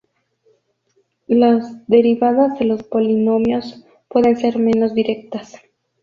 Las derivadas de los polinomios pueden ser menos directas.